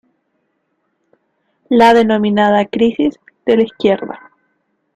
La denominada "crisis de la izquierda".